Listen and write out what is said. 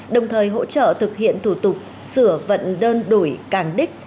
đồng thời hỗ trợ thực hiện thủ tục sửa vận đơn đổi cản đích